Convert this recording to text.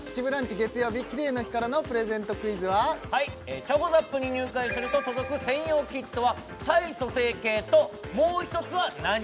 月曜日キレイの日からのプレゼントクイズは？ｃｈｏｃｏＺＡＰに入会すると届く専用キットは体組成計ともう一つは何？